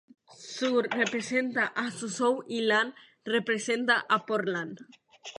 Su representa a Suzhou y Lan representa a Portland.